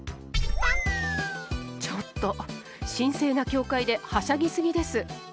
ちょっと神聖な教会ではしゃぎすぎです。